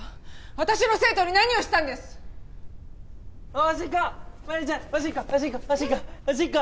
私の生徒に何をしたんですおしっこ！